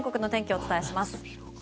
お伝えします。